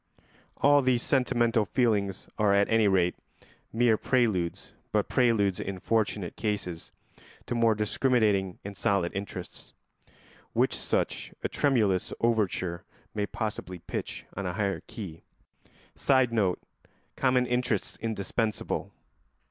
All these sentimental feelings are at any rate mere preludes, but preludes in fortunate cases to more discriminating and solid interests, which such a tremulous overture may possibly pitch on a higher key. [Sidenote: Common interests indispensable.